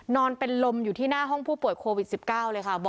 นอนเป็นลมอยู่ที่หน้าห้องผู้ป่วยโควิด๑๙เลยค่ะ